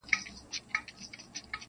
• شپه اوږده او درنه وي تل..